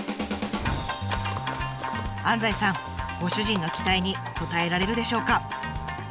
安西さんご主人の期待に応えられるでしょうか？